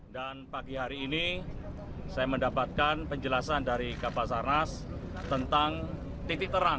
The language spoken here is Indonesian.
dan pagi hari ini saya mendapatkan penjelasan dari kri basarnas tentang titik terang